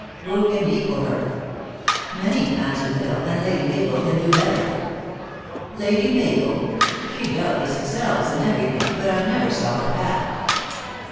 Who can equal her?" " Many," answered L Isle ;" and Lady Mabel can do better." " Lady Mabel ! She doubtless excels in everything. But I never saw her act."